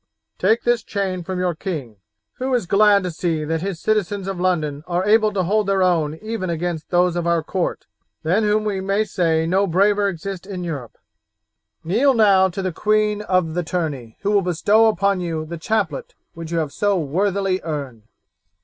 Take this chain from your king, who is glad to see that his citizens of London are able to hold their own even against those of our court, than whom we may say no braver exist in Europe. Kneel now to the queen of the tourney, who will bestow upon you the chaplet which you have so worthily earned."